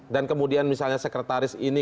dan kemudian misalnya sekretaris ini